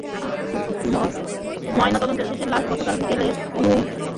ময়নাতদন্ত শেষে লাশ গতকাল বিকেলে বলুয়ার দীঘির শ্মশানে সৎকার করা হয়েছে।